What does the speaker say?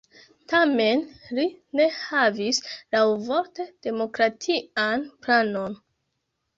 Tamen li ne havis laŭvorte demokratian planon.